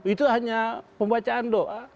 itu hanya pembacaan doa